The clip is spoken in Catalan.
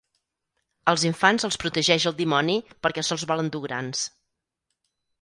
Als infants els protegeix el dimoni, perquè se'ls vol endur grans.